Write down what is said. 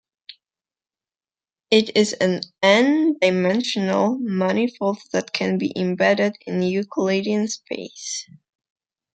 It is an "n"-dimensional manifold that can be embedded in Euclidean -space.